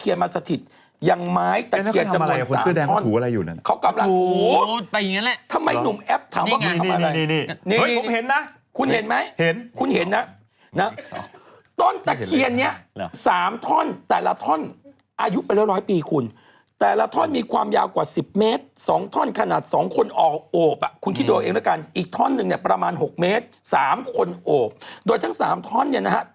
ยังไม้ตะเขียน